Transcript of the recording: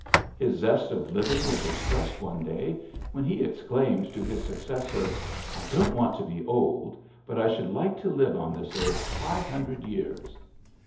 His zest of living was expressed one day when he exclaimed to his successor, ^^I don't want to be old, but I should like to live on this earth five hundred years.''